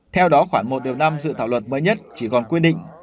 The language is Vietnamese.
theo đó khoảng một năm dự thảo luật mới nhất chỉ còn quy định